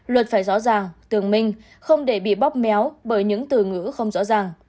luật phải rõ ràng tường minh không để bị bóp méo bởi những từ ngữ không rõ ràng